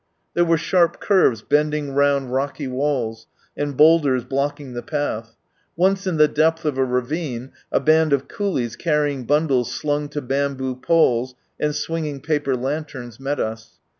There were sharp curves bending round rocky walls, and boulders blocking the path. Once in the depth of a ravine, a band of coohes carrying bundles slung to bamboo poles, and swinging paper lanterns, met us.